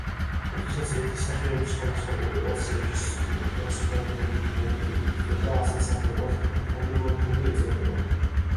როდესაც ერთი სახეობის სხვადასხვა პოპულაციებში სრულიად განსხვავებული ფენოტიპი გვხვდება, ასეთ სახეობას პოლიმორფული ეწოდება.